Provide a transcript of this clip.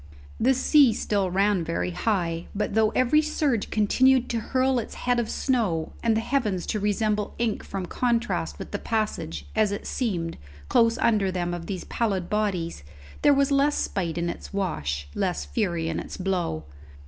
The sea still ran very high, but though every surge continued to hurl its head of snow, and the heavens to resemble ink from contrast with the passage, as it seemed, close under them of these pallid bodies, there was less spite in its wash, less fury in its blow.